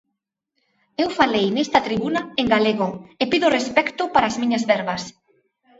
Eu falei nesta tribuna en galego e pido respecto para as miñas verbas.